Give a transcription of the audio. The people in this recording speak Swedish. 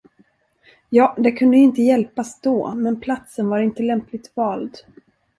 Ja, det kunde ju inte hjälpas då, men platsen var inte lämpligt vald.